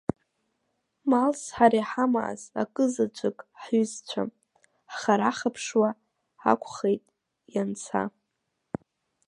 Малс ҳара иҳамааз, акызаҵәык ҳҩызцәа, ҳхара-хаԥшуа ҳақәхеит ианца…